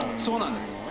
そうなんです。